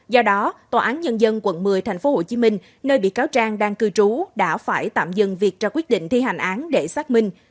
do đó tòa án nhân dân quận một mươi tp hcm nơi bị cáo trang đang cư trú đã phải tạm dừng việc ra quyết định thi hành án để xác minh